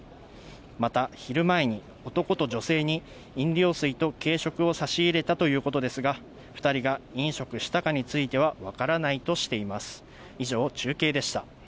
また、昼前に男と女性に飲料水と軽食を差し入れたということですが、２人が飲食したかについては分からないとしています。